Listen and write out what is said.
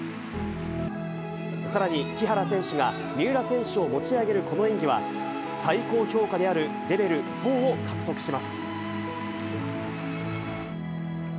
さらに、木原選手が三浦選手を持ち上げるこの演技は、最高評価であるレベルフォーを獲得します。